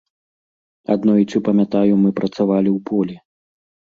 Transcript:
Аднойчы, памятаю, мы працавалі ў полі.